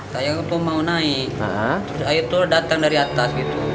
saya itu mau naik terus air itu datang dari atas gitu